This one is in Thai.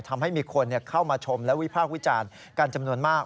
ทำให้มีคนเข้ามาชมและวิพากษ์วิจารณ์กันจำนวนมาก